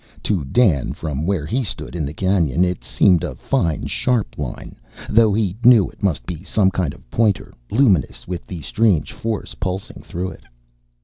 To Dan, from where he stood in the canyon, it seemed a fine, sharp line, though he knew it must be some kind of pointer, luminous with the strange force pulsing through it.